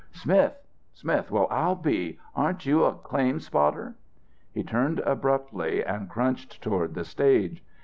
"Smith! Smith! Well, I'll be aren't you a claim spotter?" He turned abruptly and crunched toward the stage.